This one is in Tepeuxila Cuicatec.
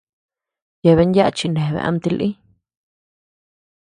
Yeabean yaʼa chineabea ama tilï.